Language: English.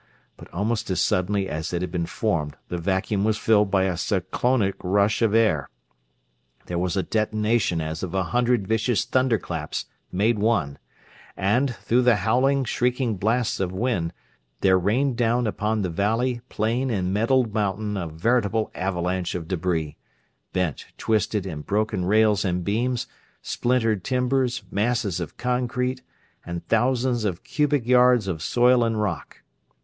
But almost as suddenly as it had been formed the vacuum was filled by a cyclonic rush of air. There was a detonation as of a hundred vicious thunderclaps made one, and, through the howling, shrieking blasts of wind, there rained down upon the valley, plain and metaled mountain a veritable avalanche of debris: bent, twisted, and broken rails and beams, splintered timbers, masses of concrete, and thousands of cubic yards of soil and rock.